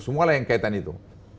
semua lah yang kaitan itu